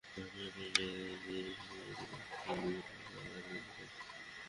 আমি আমার মেয়েদের ফিরে পেতে চাই এবং স্ত্রীকে আইনগতভাবে তালাক দিতে চাই।